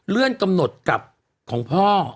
เรื่องกำหนดกับของพ่อ